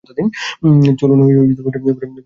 চলুন কোর্টে যাই, পরে আবার আসা যাবে।